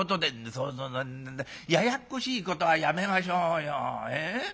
「そんなややっこしいことはやめましょうよ。